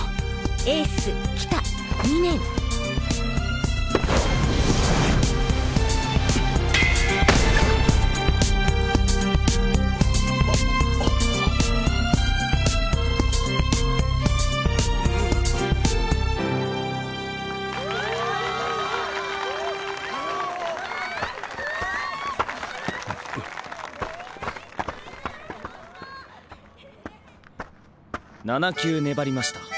エース喜多２年７球粘りました。